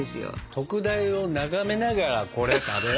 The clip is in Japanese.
特大を眺めながらこれを食べよ。